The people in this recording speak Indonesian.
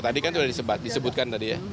tadi kan sudah disebutkan tadi ya